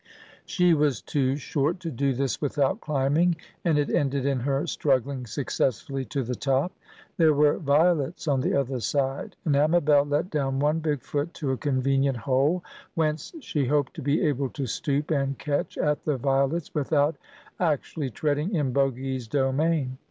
She was too short to do this without climbing, and it ended in her struggling successfully to the top. There were violets on the other side, and Amabel let down one big foot to a convenient hole, whence she hoped to be able to stoop and catch at the violets without actually treading in Bogy's domain.